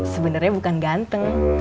sebenernya bukan ganteng